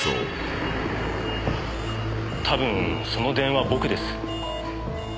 多分その電話僕です。